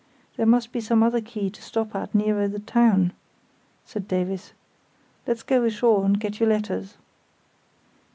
"There must be some other quay to stop at nearer the town," said Davies. "Let's go ashore and get your letters."